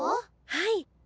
はい。